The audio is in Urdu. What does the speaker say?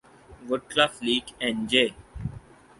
would cliff Lake اینجے